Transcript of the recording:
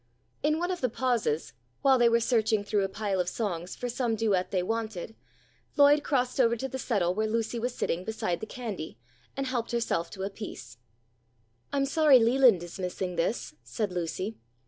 In one of the pauses, while they were searching through a pile of songs for some duet they wanted, Lloyd crossed over to the settle where Lucy was sitting beside the candy, and helped herself to a piece. "I'm sorry Leland is missing this," said Lucy.